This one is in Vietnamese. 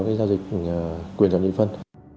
giao dịch quyền chọn nghị phân